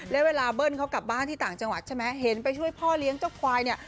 แล้วเวลาเบิ้ลเขากลับบ้านที่ต่างจังหวัดใช่ไหมเห็นไปช่วยพ่อเลี้ยงเจ้าควายเนี่ย